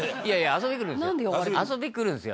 遊びに来るんですよ。